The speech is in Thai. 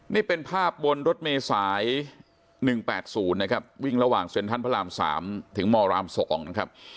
นี่เป็นภาพบนรถเมษาย๑๘๐นะครับวิ่งระหว่างเซ็นทรัลพระราม๓ถึงมราม๒นะครับ